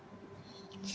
sejauh ini tidak